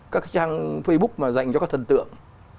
các trang facebook mà dành cho các thần tượng